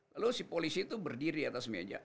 lalu si polisi itu berdiri atas meja